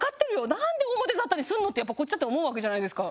なんで表沙汰にするの？ってやっぱこっちだって思うわけじゃないですか。